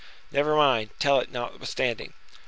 "Never mind, tell it, notwithstanding."